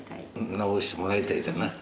直してもらいたいだな。